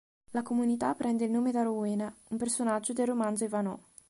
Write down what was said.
La comunità prende il nome da Rowena, un personaggio del romanzo "Ivanhoe".